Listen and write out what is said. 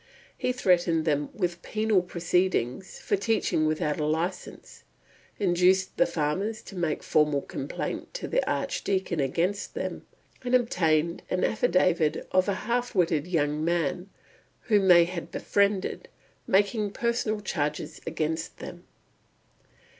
He threatened them with penal proceedings for teaching without a license, induced the farmers to make formal complaint to the Archdeacon against them, and obtained an affidavit from a half witted young man, whom they had befriended, making personal charges against them.